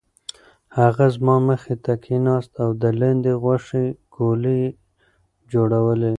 هغه زما مخې ته کېناست او د لاندي غوښې ګولې یې جوړولې.